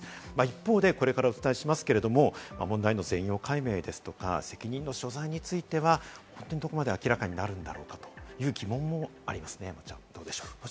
一方でこれからお伝えしますけれども、問題の全容解明ですとか責任の所在については、どこまで明らかになるんだろうか？という疑問もありますね、山ちゃん。